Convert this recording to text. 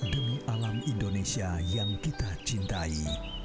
demi alam indonesia yang kita cintai